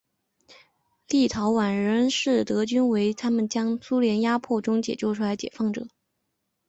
立陶宛人视德军为将他们从苏联的压迫中救出来的解放者。